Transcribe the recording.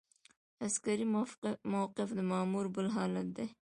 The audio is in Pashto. عسکري موقف د مامور بل حالت دی.